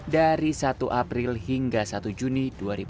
dari satu april hingga satu juni dua ribu dua puluh